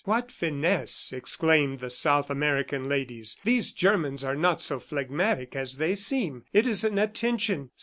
"What finesse!" exclaimed the South American ladies. "These Germans are not so phlegmatic as they seem. It is an attention